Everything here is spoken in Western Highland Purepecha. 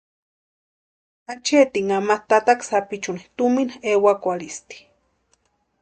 Acheetinha ma tataka sapichuni tumina ewakwarhitʼi.